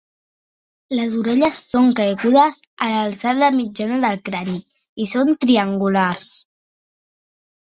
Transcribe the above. Les orelles són caigudes a l'alçada mitjana del crani i són triangulars.